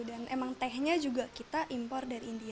dan emang tehnya juga kita impor dari india